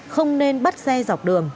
không nên bắt xe dọc đường